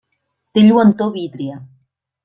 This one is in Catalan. Té lluentor vítria.